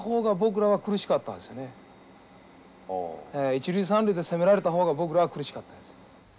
一塁三塁で攻められた方が僕らは苦しかったです。